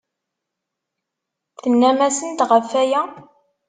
Tennam-asent ɣef waya?